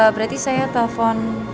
berarti saya telepon